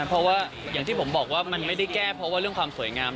เพราะว่าอย่างที่ผมบอกว่ามันไม่ได้แก้เพราะว่าเรื่องความสวยงาม